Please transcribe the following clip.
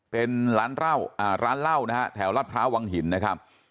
เป็นร้านเหล้าร้านเหล้านะฮะแถวรัฐพร้าววังหินนะครับ